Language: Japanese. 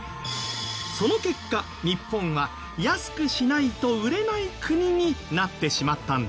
その結果日本は安くしないと売れない国になってしまったんです。